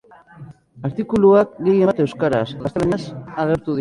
Artikuluak gehienbat euskaraz edo gaztelaniaz agertu dira.